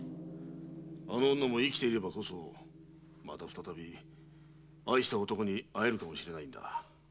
あの女も生きていればこそまた再び愛した男に会えるかもしれないのだ。